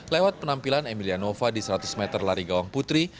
lewat penampilan emilia nova di seratus meter lari gawang putri